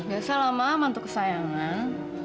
biasa lama aman tuh kesayangan